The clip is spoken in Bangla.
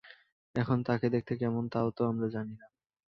এখন তাকে দেখতে কেমন তাও তো আমরা জানি না।